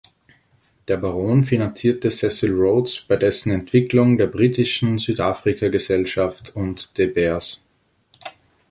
Der Baron finanzierte Cecil Rhodes bei dessen Entwicklung der Britischen Südafrika-Gesellschaft und De Beers.